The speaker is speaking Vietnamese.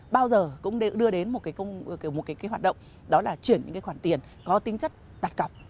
bao giờ cũng đưa đến một hoạt động đó là chuyển những khoản tiền có tính chất đạt cọc